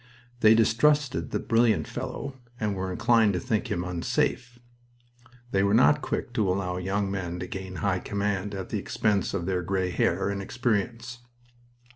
They distrusted the "brilliant" fellow, and were inclined to think him unsafe; and they were not quick to allow young men to gain high command at the expense of their gray hair and experience.